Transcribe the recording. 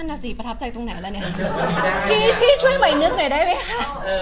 น่ะสิประทับใจตรงไหนแล้วเนี่ยพี่พี่ช่วยใหม่นึกหน่อยได้ไหมคะ